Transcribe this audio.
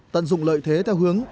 tận dụng lợi thế theo hướng